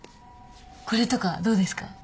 これとかどうですか？